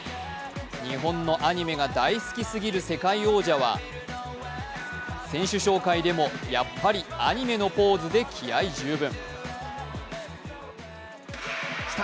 日本のアニメが大好きすぎる世界王者は選手紹介でもやっぱりアニメのポーズで気合い十分。